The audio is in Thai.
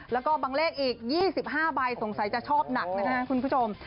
แล้วก็บางเลขอีก๒๕ใบสงสัยจะชอบหนักนะครับคุณผู้ชม